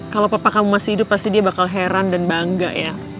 kalau papa kamu masih hidup pasti dia bakal heran dan bangga ya